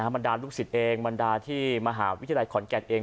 บรรดาลูกศิษย์เองบรรดาที่มหาวิทยาลัยขอนแก่นเอง